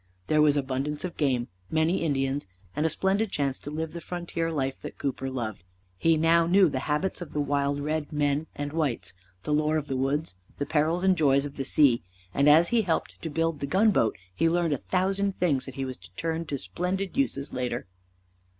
There was abundance of game, many Indians, and a splendid chance to live the frontier life that Cooper loved. He now knew the habits of the wild red men and whites, the lore of the woods, the perils and joys of the sea, and as he helped to build the gunboat he learned a thousand things that he was to turn to splendid uses later.